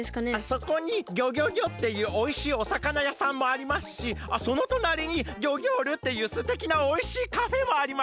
そこに「ギョギョギョ」っていうおいしいおさかなやさんもありますしそのとなりに「ギョギョール」っていうすてきなおいしいカフェもあります。